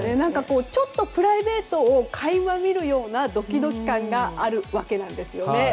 プライベートを垣間見るようなドキドキ感があるわけなんですよね。